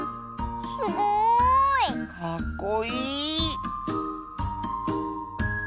すごい！かっこいい！